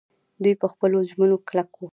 دوی په خپلو ژمنو کلک وو.